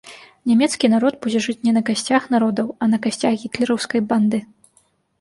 Нямецкі народ будзе жыць не на касцях народаў, а на касцях гітлераўскай банды.